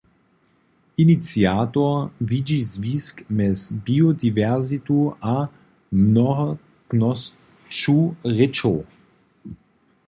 Iniciator widźi zwisk mjez biodiwersitu a mnohotnosću rěčow.